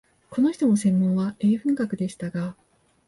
この人も専門は英文学でしたが、